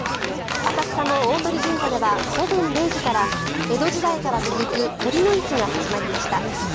浅草の鷲神社では午前０時から江戸時代から続く酉の市が始まりました。